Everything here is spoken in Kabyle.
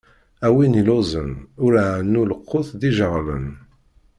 A win illuẓen, ur ɛennu lqut d-ijeɣlen!